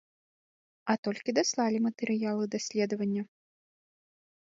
А толькі даслалі матэрыялы даследавання.